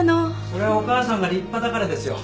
それはお母さんが立派だからですよ。